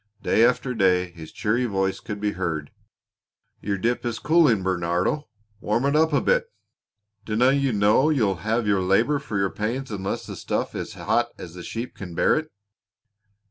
Day after day his cheery voice could be heard: "Your dip is cooling, Bernardo! Warm it up a bit. Dinna you know you'll have your labor for your pains unless the stuff is hot as the sheep can bear it?